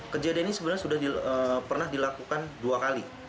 kejadian ini sebenarnya sudah pernah dilakukan dua kali